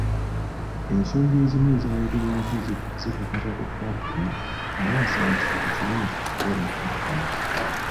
Ensonga ezimu ezayogerwako zikakata ku kkampuni naye asaba kintu kimu kuba bakakkamu.